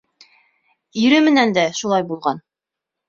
Ире менән дә шулай булған.